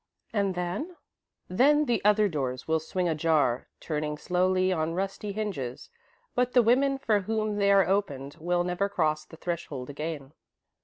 "And then ?" "Then the other doors will swing ajar, turning slowly on rusty hinges, but the women for whom they are opened will never cross the threshold again."